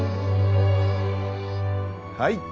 はい。